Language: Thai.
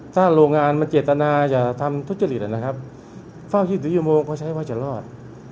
ถ้าโรงงานมันเจตนาจะทำทุจริตนะครับเฝ้าคิดถึงชั่วโมงก็ใช้ว่าจะรอด